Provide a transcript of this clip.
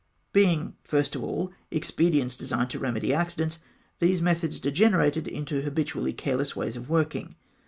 Being first of all expedients designed to remedy accidents, these methods degenerated into habitually careless ways of working.